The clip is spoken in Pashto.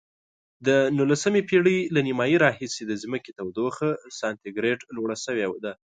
د نولسمې پیړۍ له نیمایي راهیسې د ځمکې تودوخه سانتي ګراد لوړه شوې ده.